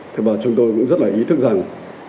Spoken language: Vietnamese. thế và chúng tôi cũng rất là ý thức rằng